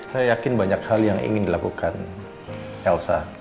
saya yakin banyak hal yang ingin dilakukan elsa